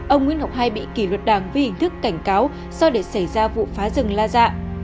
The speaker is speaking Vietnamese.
ông nguyễn ngọc hai bị kỷ luật đảng vì hình thức cảnh cáo do để xảy ra vụ phá rừng la dạ